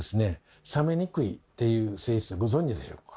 冷めにくいっていう性質ご存じでしょうか？